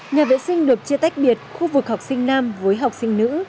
nhà vệ sinh được chia tách biệt khu vực học sinh nam với học sinh nữ